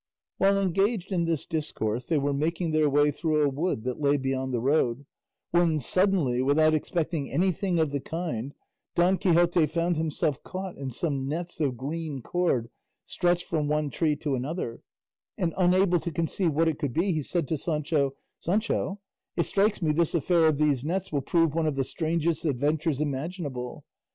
While engaged in this discourse they were making their way through a wood that lay beyond the road, when suddenly, without expecting anything of the kind, Don Quixote found himself caught in some nets of green cord stretched from one tree to another; and unable to conceive what it could be, he said to Sancho, "Sancho, it strikes me this affair of these nets will prove one of the strangest adventures imaginable.